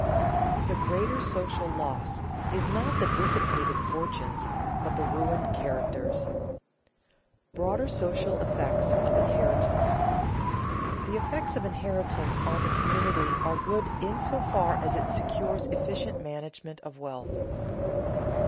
The greater social loss is not the dissipated fortunes, but the ruined characters. [Sidenote: Broader social effects of inheritance] The effects of inheritance on the community are good in so far as it secures efficient management of wealth.